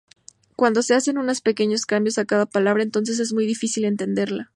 Cuando se hacen unos pequeños cambios a cada palabra, entonces es muy difícil entenderla.